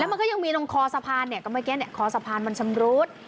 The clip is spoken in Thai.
มันก็ยังมีตรงคอสะพานเนี่ยก็เมื่อกี้คอสะพานมันชำรุด